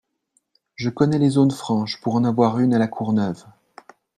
Je connais les zones franches pour en avoir une à La Courneuve.